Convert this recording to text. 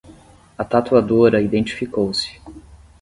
A tatuadora identificou-se